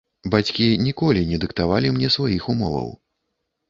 Бацькі ніколі не дыктавалі мне сваіх умоваў.